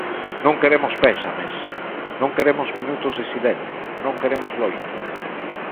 Non queremos pésames, non queremos minutos de silencio, non queremos loito.